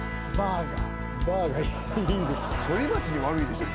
反町に悪いでしょ。